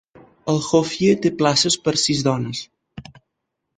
El hofje té places per a sis dones.